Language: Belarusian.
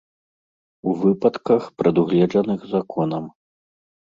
У выпадках, прадугледжаных законам.